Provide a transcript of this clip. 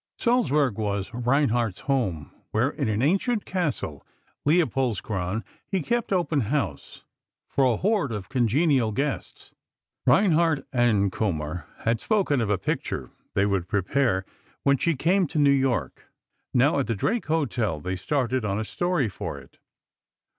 Salzburg was Reinhardt's home, where in an ancient castle, Leopoldskron, he kept open house, for a horde of congenial guests. Reinhardt and Kommer had spoken of a picture they would prepare when she came to New York. Now, at the Drake Hotel, they started on a story for it.